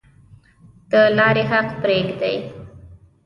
د لارې حق پریږدئ؟